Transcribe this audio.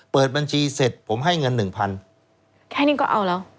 เปิดบัญชีเสร็จผมให้เงินหนึ่งพันแค่นี้ก็เอาแล้ว